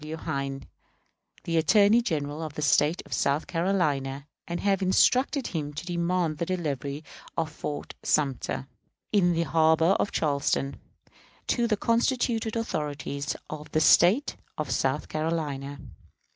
W. Hayne, the Attorney General of the State of South Carolina, and have instructed him to demand the delivery of Fort Sumter, in the harbor of Charleston, to the constituted authorities of the State of South Carolina.